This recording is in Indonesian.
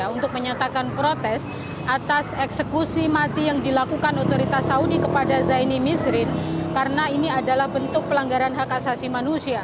untuk menyatakan protes atas eksekusi mati yang dilakukan otoritas saudi kepada zaini misrin karena ini adalah bentuk pelanggaran hak asasi manusia